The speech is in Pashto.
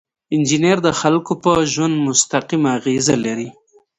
انجینر د خلکو په ژوند مستقیمه اغیزه لري.